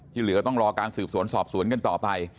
เหลือต้องรอการสืบสวนสอบสวนกันต่อไป